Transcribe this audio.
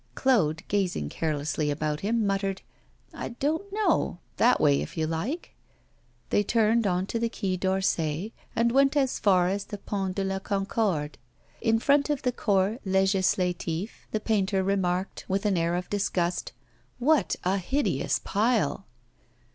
Claude, gazing carelessly about him, muttered: 'I don't know. That way, if you like.' They turned on to the Quai d'Orsay, and went as far as the Pont de la Concorde. In front of the Corps Legislatif the painter remarked, with an air of disgust: 'What a hideous pile!